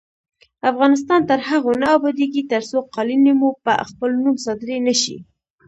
افغانستان تر هغو نه ابادیږي، ترڅو قالینې مو په خپل نوم صادرې نشي.